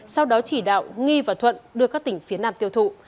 sau đó chỉ đạo nghi và thuận đưa các tỉnh phía nam tiêu thụ